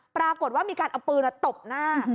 ปรากฏว่ามีการเอาปืนตบหน้า